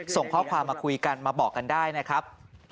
ส่งข้อความมาคุยกันมาบอกกันได้นะครับ